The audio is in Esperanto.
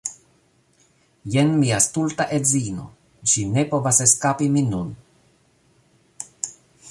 Jen mia stulta edzino ŝi ne povas eskapi min nun